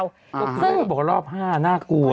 บอกว่ารอบ๕น่ากลัว